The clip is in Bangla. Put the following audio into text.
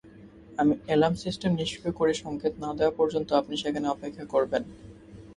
আমি এলার্ম সিস্টেম নিষ্ক্রিয় করে সংকেত না দেওয়া পর্যন্ত আপনি সেখানে অপেক্ষা করবেন।